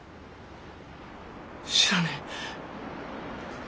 知らねえ。